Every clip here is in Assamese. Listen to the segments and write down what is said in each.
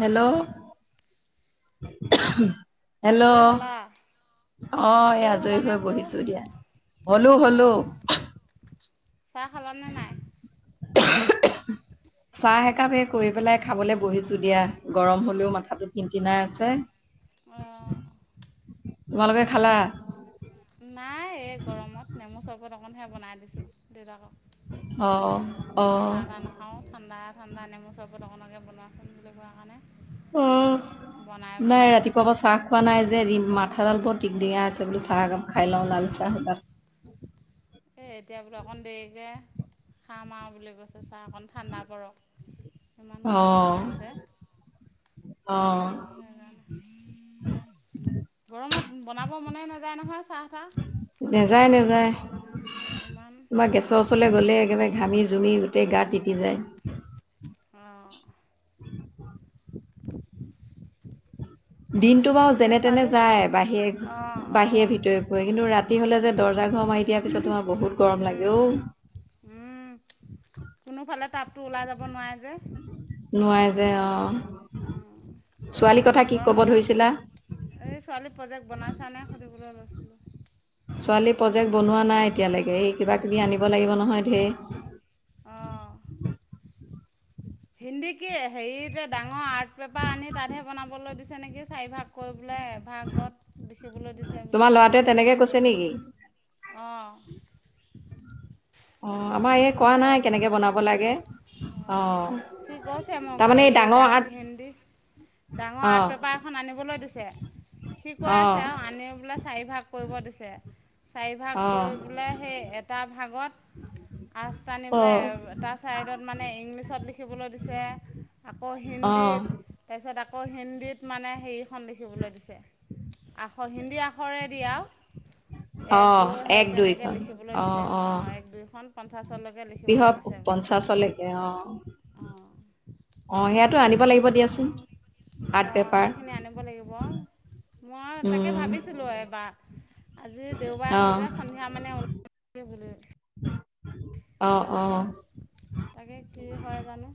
হেল্ল' হেল্ল' আজৈ হলা। অ এই আজৰি হ'লানে হৈ বোলো বহিছো দিয়া হলো হলো অঁ চাহ খালা নে নাই? কাপে কৰি পেলাই খাবলৈ বহিছো দিয়া গৰম হলেও মাথাটো কিন কিনাই আছে আহ তোমালোকে খালা? নাই এই গৰমত নেমু চৰবত অকণহে বনাই দিছো দেউতাকক। অ অ বোলে চাহ তাহ নাখাওঁ ঠাণ্ডা ঠাণ্ডা নেমোৰ চৰবত অকনকে বনোৱাচোন বুলি কোৱা কাৰণে অ বনাই বোলে নাই ৰাতিপুৱা পা চাহ খোৱা নাই যে মাথাডাল বৰ টিং টিঙাই আছে। বোলো চাহ একাপ খাই লওঁ অঁ লাল চাহ। হাঁহ মাৰ বুলি কৈছে চাহ অকণ ঠাণ্ডা পৰক সমান অ গৰম হৈ আছে। অ গৰমত বনাব মনে নাযায় নহয় চাহাহ নেযায় নেযায় ইমান তোমাৰ গেছৰ ওচৰলৈ গ'লে একেবাৰে ঘামি জুমি গোটেই গা তিতি যায় অঁ দিনটো বাৰু পিছে যেনে তেনে ছোৱালী যায় অঁ বাহিৰে বাহিৰে অঁ ভিতৰে ফুৰে কিন্তু ৰাতি হলে যে দৰ্জা ঘৰ কমাই দিয়াৰ পিছতো বহুত গৰম উম, লাগে অহ। উম, কোনোফালে টাপটো ওলাই যাব নোৱাৰে যে। দে অহ গৰম বন্ধত এই ছোৱালী প্ৰজেক্ট বনাইছা নে এই সুধিবলৈ লৈছিলোঁ। ছোৱালী প্ৰজেক্ট বনোৱা নাই এতিয়ালৈকে এই কিবা- কিবি আনিব লাগিব নহয় ঢেৰ। অহ', হিন্দী কি হেৰিতে ডাঙৰ আৰ্ট পেপাৰ আনি তাতহে বনাবলৈ দিছে নেকি চাৰিভাগ কৰিব। বোলে এভাগত লিখিবলৈ দিছে বুলি তোমাৰ কোৱাত ল'ৰাটোৱে তেনেকৈ তেনেককেহে কৈছে নেকি কৈছে। অহ ', অ', আমাৰ এই কোৱা নাই কেনেকে বনাব লাগে অঁ অ',। সি কৈছে মোক হেৰি ডাঙৰ হিন্দী ডাঙৰ আৰ্ট অঁ পেপাৰ এখন আনিবলৈ দিছে। সি কৈ অঁ আছে আৰু আনি বোলে চাৰিভাগ কৰিব দিছে। চাৰিভাগ অঁ কৰিব বুলে সেই এটা ভাগত আছ তানি অঁ বোলে তাৰ চাইডত মানে ইংলিছত লিখ শিকিবলৈ দিছে আকৌ অঁ হিন্দীত তাৰপিছত আকৌ হিন্দীত মানে হেৰি আখৰ খন লিখিবলৈ দিছে আখৰ হিন্দী আখৰ দিয়ে আৰু এক অঁ দু সেই এক তেনেকে দুইখন লিখিবলৈ অঁ দিছে অ অঁ এক দুইখন পঞ্চাশলৈকে লিখিবলৈ বৃহৎ দিছে বোলে পঞ্চাছলৈকে অ অঁ অ সেইয়াতো আনিব লাগিব দিয়াচোন আৰ্ট অঁ পেপাৰ সেইখিনি আনিব লাগিব মই আৰু তাকে উম ভাবিছিলোঁ এইবাৰ আজি দেওবাৰে অ হ'ল যে সন্ধিয়া মানে ওললৈ অহ তাকে কি হয় জানো।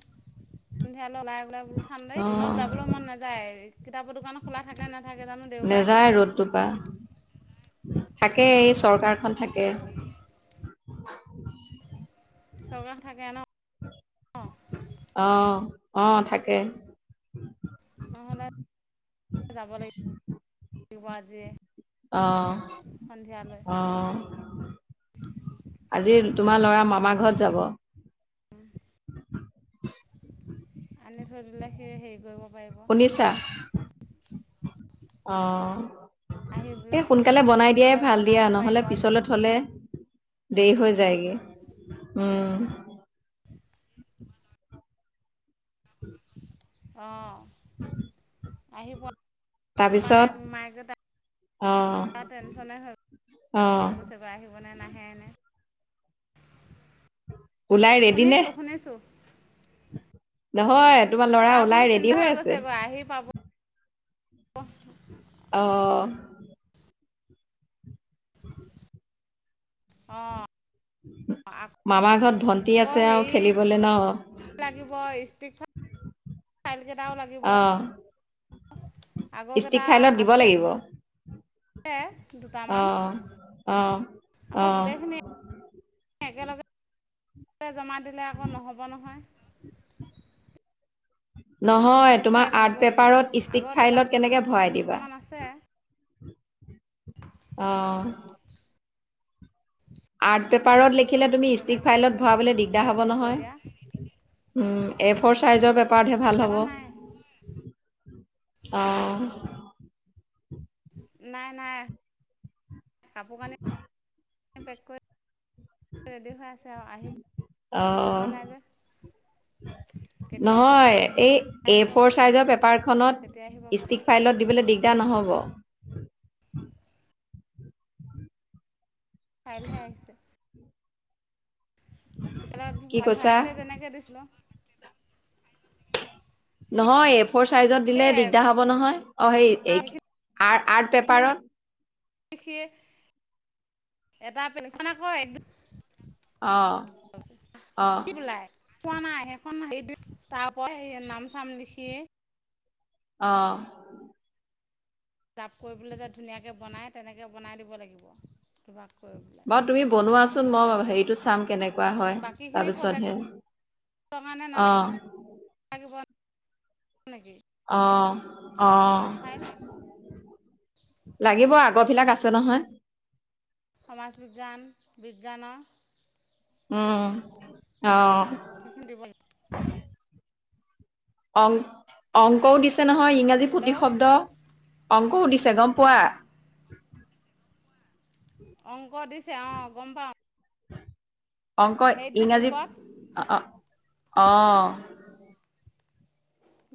সুন্ধিয়ালে ওলাই -ওলাই বোলো ঠাণ্ডাই অ দিনত যাবলৈ মন নাযায়। কিতাপৰ দোকানো খোলা থাকে নাথাকে জানো নেযায় ৰ'দটো পা দেওবাৰে। থাকে এই চৰকাৰখন থাকে। চৰকাৰ খন থাকে ন'? অহ, অহ থাকে। নহ'লে যাব লাগিব আজিয়ে। অহ, সন্ধিয়ালৈ অহ। আজি তোমাৰ লৰা মামা ঘৰত যাব। আনি থৈ দিলে সি হেই কৰিব পাৰিব। শুনিছা অহ, আহি এ পেলাই সোনকালে বনাই দিয়াই ভাল দিয়া বনাব পাৰিব নহ'লে আৰু পিছলৈ থলে দেৰি হৈ দিনত যায়গে উম। [inaudible] অহ, আহিব তাৰপিছত [unintelligible] অ তাৰ টেনশ্যনে হৈ অ গৈছে বা আহিবনে নাহে এনে? ওলাই ৰেডি নে শুনিছোঁ- শুনিছোঁ। নহয় তোমাৰ ল'ৰা ওলাই ৰেডি হৈ আছে? অহ ', অহ ', [inaudible] অহ ', [inaudible] মামাৰ ঘৰত ভন্টি আকৌ আছে আৰু হেৰি খেলিবলে ন'। লাগিব ষ্টিক ফাইল [inaudible] কেইটাও লাগিব। অ ষ্টিক আগৰকেইটা ফাইলত দিব আছে লাগিব। [inaudible] দুটামান অ অ আকৌ গোটেইখিনি [inaudible] একেলগে এ জমা দিলে আকৌ নহ'ব নহয়। নহয় ষ্টিক ফাইল তোমাৰ আনিব আৰ্ট লাগিব পেপাৰত ষ্টিক আগৰ ফাইলত কেনেকে ভৰাই দিবা? দুটামান আছে আহ আৰ্ট পেপাৰত লিখিলে তুমি ষ্টিক তেনেকৈ ফাইলত ভৰাবলৈ দিগদাৰ হ'ব হেৰি কৰি নহয় দিয়া উম এ ফৰ চাইজৰ পেপাৰতহে ভাল ওলাব হ'ব। নাই আহ নাই নাই। কাপোৰ কানি পেক কৰি ৰেডি হৈ আছে অ পোৱা নাই যে কেতিয়া নহয় এই এ আহি পাব ফৰ চাইজৰ পেপাৰ কেতিয়া আহি খনত পাব ষ্টিক ফাইলত দিবলৈ দিগদাৰ নহব ফাইলহে আহিছে পিছত কি কৈছা? ভাড়াতে যেনেকে দিছিলো নহয় এ ফৰ চাইজত দিলে সেয়াই দিগদাৰ হব নহয় অ সেই সেইখিনি আৰ্ট পেপাৰত। [unintelligible] [unintelligible] অহ, অহ। কি বোলাই পোৱা নাই সেইখন সেইটো তাৰ পৰা নাম চাম লিখিয়ে অহ', চাৰ্ভ কৰিবলৈ যে ধুনীয়াকৈ বনাই তেনেকৈ বনাই দিব লাগিব কিবাক। বাৰু তুমি বনোৱাচোন মই হেৰিটো চাম কেনেকে কোৱা হয় বাকীখিনি তাৰপিছতহে প্ৰজেক্টৰ অহ। কেনেকোৱা অ অ লাগিব। আগৰ বিলাক আছে নহয় সমাজ বিজ্ঞান বিজ্ঞানৰ উম অ সেইখিনি দিব লাগিব অংক অংকও দিছে নহয় ইংৰাজী প্ৰতি হেল্ল' শব্দ অংকও দিছে চে গম পোৱা অঁ অংক দিছে আহ গম পাও অংক ইংৰাজী গ্ৰুপত আহ আহ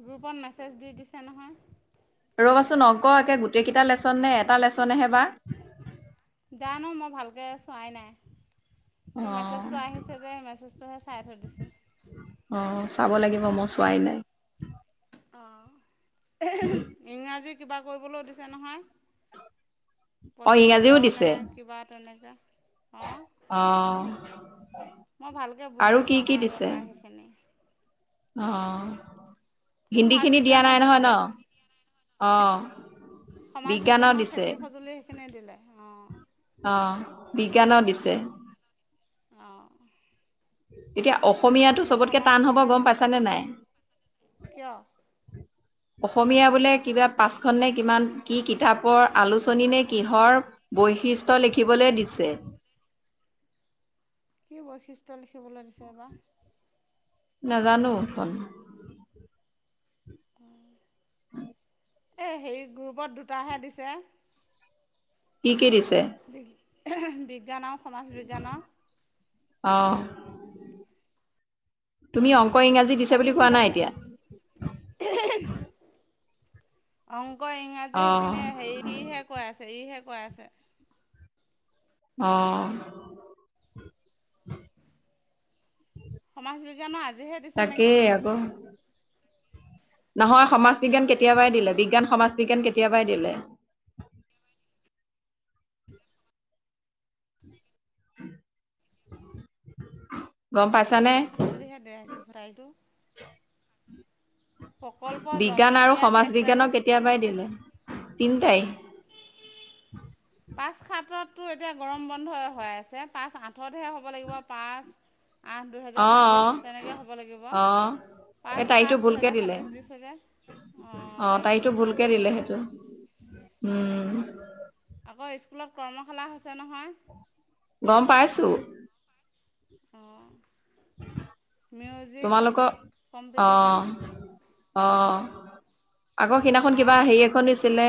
গ্ৰুপত মেছেজ দি দিছে নহয়। ৰ'বাচোন অংক একে গোটেইকেইটা লেচন নে এটা লেচনহে বা জানো মই ভালকৈ চোৱাই নাই। এ অঁ মেছেজটো আহিছে যে মেছেজটোহে চাই থৈ দিছোঁ অ চাব লাগিব মই চোৱাই নাই অ ইংৰাজী কিবা কৰিবলৈ দিছে নহয় অঁ প্ৰতি শব্দ ইংৰাজীও নে দিছে কিবা তেনেকা অ মই ভালকৈ বুজি আৰু কি পোৱা নাই কি দিছে ৰ'বা সেইখিনি অ হিন্দী সমাজ খিনি দিয়া বিজ্ঞানত নাই নহয় ন দিছে অঁ সমাজ বিজ্ঞানৰ খেতি সজুলি সেইখিনিয়ে দিলে অ অ বিজ্ঞানৰ দিছে আহঁ এতিয়া অসমীয়াটো চবতকে টান হ'ব গম বিজ্ঞানৰ পাইছানে নাই কিয় অসমীয়া বোলে কিবা পাচখন নে কিমান কি কিতাপৰ আলোচনী নে কিহৰ বৈশিষ্ট্য লিখিবলৈ দিছে কি বৈশিষ্ট্য লিখিবলৈ দিছে এইবাৰ নাজানো ক এ হে গ্ৰুপত দুটাহে দিছে কি কি দিছে? বিজ্ঞান আৰু সমাজ বিজ্ঞানৰ অঁ, তুমি অংক ইংৰাজী দিছে বুলি কোৱা বাকীখিনি নাই লাগে এতিয়া অংক ইংৰাজী অঁ সেইখিনি হে সিহে কৈ আছে ইহে কৈ আছে অ সমাজ বিজ্ঞানৰ আজিহে দিছে নেকি তাকেই আকৌ নহয় সমাজ পাঁচবিধ বিজ্ঞান খেতিৰ কেতিয়াবাই দিলে সঁজুলি বিজ্ঞান সমাজ বিজ্ঞান কেতিয়াবাই দিলে [inaudible] গম পাইছো খ বুলিহে দেৰিছে চৰাইটো বিজ্ঞান আৰু সমাজ শেষ তাৰিখ বিজ্ঞানক কেতিয়াবাই দিলে তিনটাই পাঁচ সাততো এতিয়া গৰম বন্ধ হৈ আছে পাঁচ আঁঠতহে হ'ব লাগিব পাঁচ আঠ দুহেজাৰ ছাব্বিছ অঁ অঁ তেনেকে হ'ব লাগিব অঁ পাঁচ এই সাত তাৰিখটো ভুলকৈ দুহেজাৰ দিলে ছাব্বিছ দিছে যে অঁ অঁ তাৰিখটো লিখা ভুলকৈ ভুল দিলে হ'ল সেইটো চাগৈ উম, আকৌ স্কুলত কৰ্মশালা হৈছে নহয়। গম পাইছো অঁ মিউজিক তোমালোকৰ কম্পিটিশ্যন অহ অহ আগৰ সেইদিনাখন কিবা আৰ্ট হেৰি এখন দিছিলে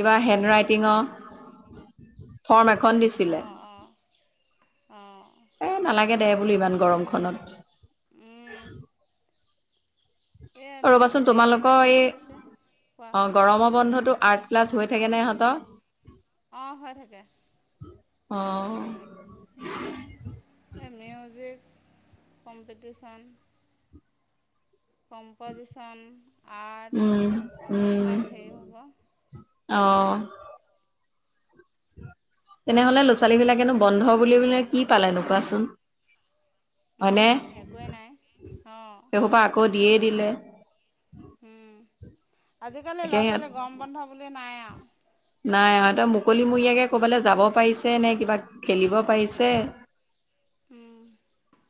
কিবা হেণ্ড ৰাইটিঙৰ ফৰ্ম এক খন দিছিলে অঁ অঁ অঁ এ নালাগে দে বোলো ইমান গৰমখনত এই অ লিখি ৰবাচোন হেৰি তোমালোকৰ মেছেজ এই দিছে কোৱা অ গৰমৰ বন্ধত টো আৰ্ট ক্লাছ হৈ থে নে সিহত অঁ হয় থাকে অ music competition composition um art um এইবিলাক হেৰি হ'ব অ তেনেহলে ল'ৰা ছোৱালী বিলাকেনো বন্ধ বুলি বলে কি পালেনো কোৱাচোন হয়নে উম একোৱেই নাই অ দিয়ে দিলে উম আজিকালি ল'ৰা এতিয়া সিহঁত ছোৱালী গৰম বন্ধ বুলি নাই আৰু নাই সিহতে মুকলিমূৰীয়াকে ক'বালৈ যাব পাৰিছে নে কিবা খেলিব পাৰিছে উম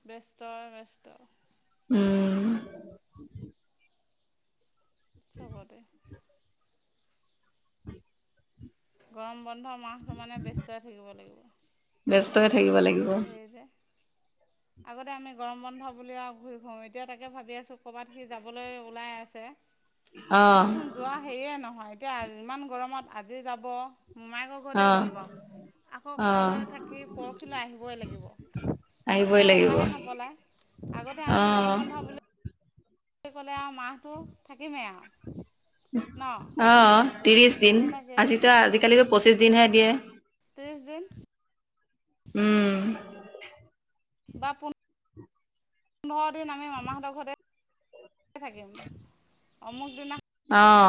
ব্যস্ত ব্যস্ত উম চবৰে গৰম বন্ধ মাহটো মানে ব্যস্ত থাকিব লাগিব ব্যস্তই থাকিব লাগিব সেয়ে যে আগতে আমি গৰম বন্ধ বুলি আৰু ঘূৰি ফুৰো এতিয়া তাকে ভাবি আছো কৰ'বাত সি যাবলৈ ওলাই আছে। অ তাৰচোন যোৱা সেয়ে নহয় এতিয়া ইমান গৰমত আজি যাব মোমাই অ ঘৰতেই গ'ল বাৰু আকৌ অ কাইলৈ থাকি পৰহিলৈ আহিব আহিবই লাগিব হেঁপাহে নপলায় আগতে আমি গৰম অ বন্ধ বুলি ক'লে আৰু মাহটো থাকিমেই আৰু ন অ ত্ৰিশ দিন তেনেকেই আজিতো আজিকালিতো পঁচিশ দিনহে দিয়ে। ত্ৰিশদিন উম বা পোন পোন্ধৰ দিন আমি মামাহঁতৰ ঘতে থাকিম অমুক দি অহ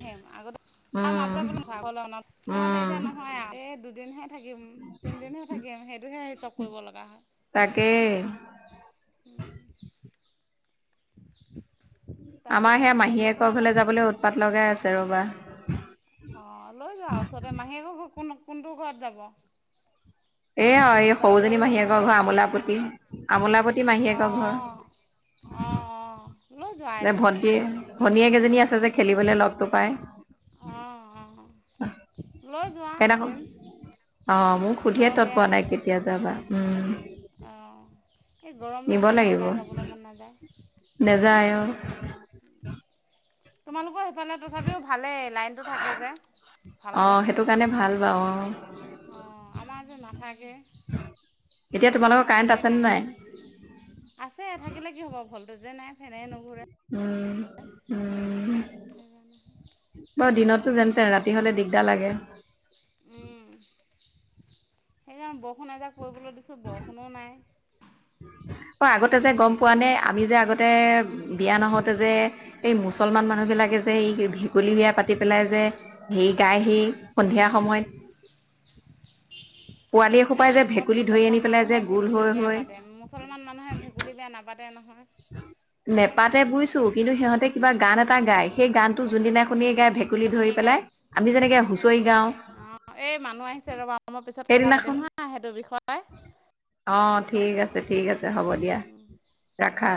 আহ আহিম আগতে তাৰ মাজে বোল ভাগৰলৈনত সিহঁতে উম। এতিয়া নহয় আৰু এই দুদিন হে থাকিম তিনদিনহে থাকিম সেইটোহে চব কৰিব লগা হয়। তাকে [unintelligible] তাক আমাৰ এতিয়া সেয়া, পঠিয়াই দিলে মাহীয়েকৰ তোমালোক ঘৰলৈ যাবলে উৎপাত লগাই আছে। ৰ'বা! অ'! লৈ যোৱা ওচৰতে, মাহীয়েকৰ কোন, কোনটো ঘৰত যাব। এইয়া এই, সৰুজনী জাজৰি নে মাহীয়েকৰ ঘৰ ইয়াতে আমোলাপট্টিত, আমোলাপট্টিত মাহীয়েকৰ ঘৰ। অ'! অ'! যে ভণ্টি, ভনীয়েক এজনী আছে যে। খেলিবলে লগটো পাই [unintelligible] মই যোৱা সেইদিনাখন হেঁতেন! অ'! মোক সুধিয়ে তৎ পোৱা নাই, কেতিয়া যাবা। উম! অঁ এই গৰমটোৰ নিব কাৰণে লাগিব। ওলাই যাবলৈ মন নাযায়। নেযায় অ', তোমালোকৰ সেফালে তথাপিও ভালেই লাইনটো থাকে যে ভালকে। অ', সেইটো কাৰণে ভাল বাৰু অ'। অঁ আমাৰ যে নাথাকে। এতিয়া তোমালোকৰ কাৰেণ্ট কাৰেণ্টোৱে আছেনে নাই আছে থাকিলে কি হ'ব ভ'ল্ট টো যে নাই ফেনে নুঘূৰে। উম, উম, বাৰু দিনতটো যেনে তেন, ৰাতি হ'লে দিগ [unintelligible] এনেই বৰষুণ এজাক পৰিবলৈ দিছোঁ বৰষুণো নাই অ'! আগতে যে গম পোৱা নে! আমি যে আগতে বিয়া নহওঁতে যে এই মুছলমান মানুহবিলাকে যে, এই ভেকুলী বিয়া পাতি পেলাই যে, সেই গায়, সেই সন্ধিয়া সময়ত [unintelligible] পোৱালীয়ে এসোপায় যে, ক'ত ভেকুলী ধৰি আনি মুছলমান পেলাই যে মানুহে গোল ভেকুলী হৈ বিয়া হৈ পাতে! মুছলমান মানুহে ভেকুলী বিয়া নাপা নেপাতে বুজিছোঁ! কিন্তু, সিহঁতে কিবা গান এটা গায়। সেই, গানটো যোনদিনা শুনিয়ে গায় ভে ভেকুলী ধৰি পেলাই। আমি যেনেকে হুঁচৰি গাওঁ অ'! এই মানুহ আহিছে ৰ'বা! মই পিছত কথা পাতিম সেইদিনাখন হা সেইটো বিষয়ে। অ' ঠিক আছে, ঠিক আছে হ'ব দিয়া, ৰাখা।